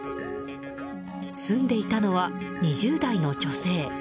住んでいたのは２０代の女性。